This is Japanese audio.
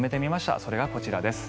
それがこちらです。